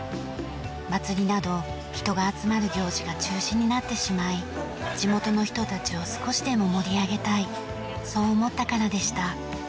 祭りなど人が集まる行事が中止になってしまい地元の人たちを少しでも盛り上げたいそう思ったからでした。